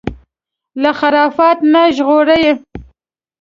له خرافاتو نه ژغوري